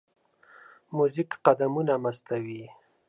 موزیک قدمونه مستوي.